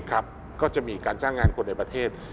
ก็จะมีการจ้างงานคนในประเทศ